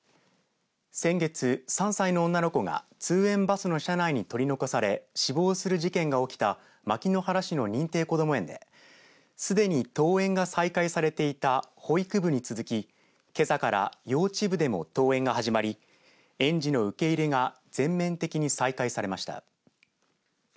先月、３歳の女の子が通園バスの車内に取り残され死亡する事件が起きた牧之原市の認定こども園ですでに登園が再開されていた保育部に続き、けさから幼児部でも登園が始まり園児の受け入れが全面的に再開されました。